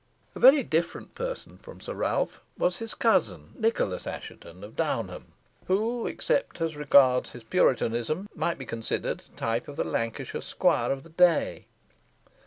A very different person from Sir Ralph was his cousin, Nicholas Assheton of Downham, who, except as regards his Puritanism, might be considered a type of the Lancashire squire of the day.